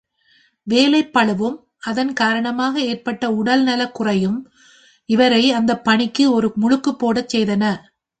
வேலைப்பளுவும் அதன் காரணமாக ஏற்பட்ட உடல் நலக்குறையும் இவரை அந்தப் பணிக்கு ஒரு முழுக்குப் போடச் செய்தன.